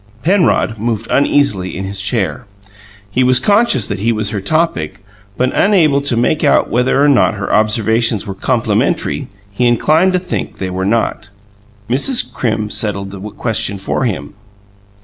Penrod moved uneasily in his chair; he was conscious that he was her topic but unable to make out whether or not her observations were complimentary; he inclined to think they were not. Mrs. Crim settled the question for him.